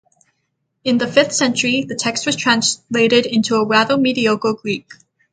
In the fifth century, the text was translated into a rather mediocre Greek.